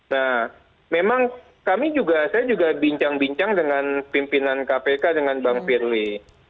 nah memang kami juga saya juga bincang bincang dengan pimpinan kpk dengan bang firly